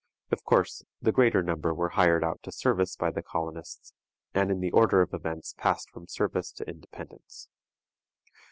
Of course, the greater number were hired out to service by the colonists, and, in the order of events, passed from service to independence.